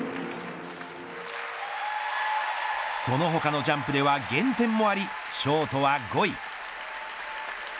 その他のジャンプでは減点もありショートは５位。